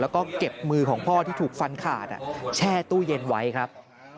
แล้วก็เก็บมือของพ่อที่ถูกฟันขาดแช่ตู้เย็นไว้ครับ